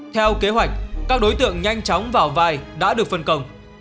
theo kế hoạch các đối tượng nhanh chóng vào vai đã được phân công